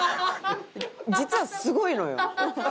実はすごいのよ。